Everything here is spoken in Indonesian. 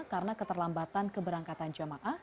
karena keterlambatan keberangkatan jemaah